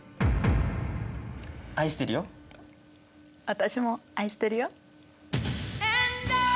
私も愛してるよ